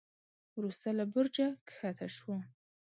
وروسته له برجه کښته شو.